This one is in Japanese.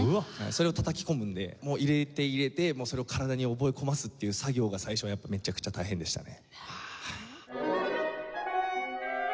それをたたき込むのでもう入れて入れてそれを体に覚え込ますっていう作業が最初はやっぱめちゃくちゃ大変でしたね。